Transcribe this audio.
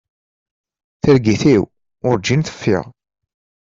Targit-w urǧin teffiɣ.